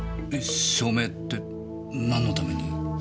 証明って何のために？